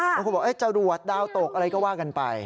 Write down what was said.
คุณผู้ชมบอกจะรวดดาวน์ตกอะไรก็ว่ากันไป